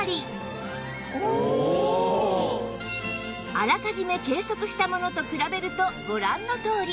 あらかじめ計測したものと比べるとご覧のとおり